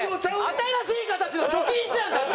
新しい形の貯金じゃんだって。